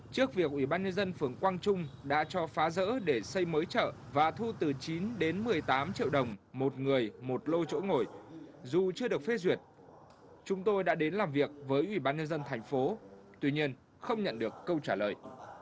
trước việc ủy ban nhân dân phường quang trung đã cho phá rỡ để xây mới chợ và thu từ chín đến một mươi tám triệu đồng một người một lô dù chưa được phê duyệt chúng tôi đã đến làm việc với ủy ban nhân dân thành phố tuy nhiên không nhận được câu trả lời